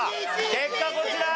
結果こちら！